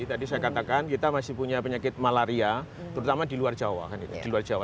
tadi saya katakan kita masih punya penyakit malaria terutama di luar jawa kan itu di luar jawa